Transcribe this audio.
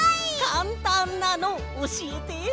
かんたんなのおしえて！